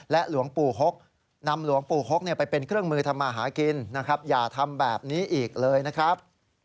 หลวงปู่หกนำหลวงปู่หกไปเป็นเครื่องมือทำมาหากินนะครับอย่าทำแบบนี้อีกเลยนะครับ